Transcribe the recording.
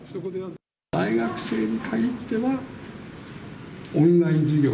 大学生に限ってはオンライン授業。